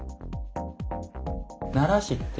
奈良市って。